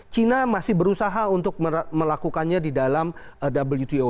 china masih berusaha untuk melakukannya di dalam wto